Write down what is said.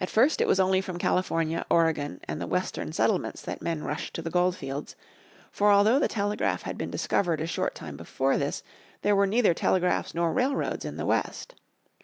At first it was only from California, Oregon and the Western settlements that men rushed to the gold fields. For although the telegraph had been discovered a short time before this there were neither telegraphs nor railroads in the West.